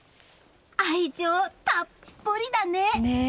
愛情たっぷりだね！